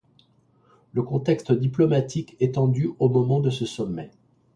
Le contexte diplomatique est tendu au moment de ce sommet.